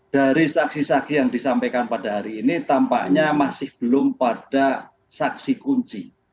dari saksi saksi yang disampaikan pada hari ini tampaknya masih belum pada saksi kunci